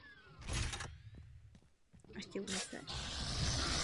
Od téhož roku pracuje v telekomunikacích v komerční sféře.